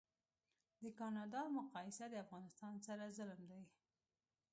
د کانادا مقایسه د افغانستان سره ظلم دی